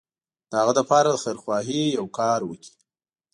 د هغه لپاره د خيرخواهي يو کار وکړي.